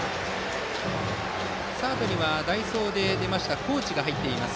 サードには代走で出た河内が入っています。